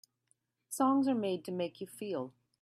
Songs are made to make you feel.